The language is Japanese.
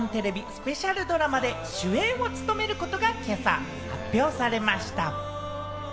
スペシャルドラマで主演を務めることが今朝、発表されました。